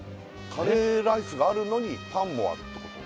カレーライスがあるのにパンもあるってこと？